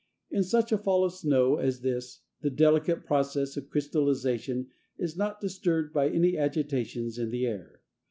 In such a fall of snow as this the delicate process of crystallization is not disturbed by any agitations in the air.